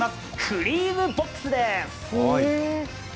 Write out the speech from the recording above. クリームボックスです。